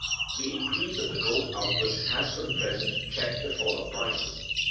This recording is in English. _The increase of the gold output has for the present checked the fall of prices.